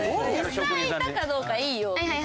実際いたかどうかいいよ。